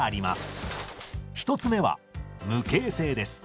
１つ目は無形性です。